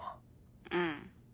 うん。